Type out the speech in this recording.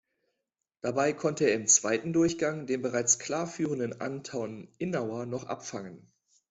Dabei konnte er im zweiten Durchgang den bereits klar führenden Anton Innauer noch abfangen.